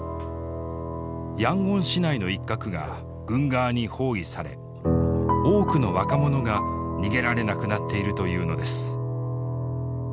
ヤンゴン市内の一角が軍側に包囲され多くの若者が逃げられなくなっているというのです。